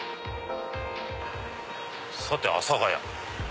さて阿佐谷。